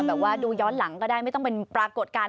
แบบว่าดูย้อนหลังก็ได้ไม่ต้องเป็นปรากฏการณ์